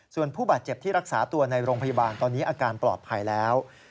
ส่วนผู้บาดเจ็บที่รักษาตัวในโรงพยาบาลตอนนี้อาการปลอดภัยแล้ว